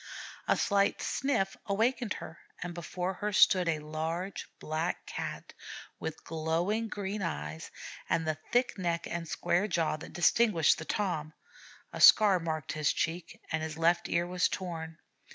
A slight 'sniff' awakened her, and before her stood a large Black Cat with glowing green eyes, and the thick neck and square jaws that distinguish the Tom; a scar marked his cheek, and his left ear was torn.